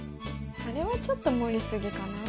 それはちょっと盛り過ぎかなあ？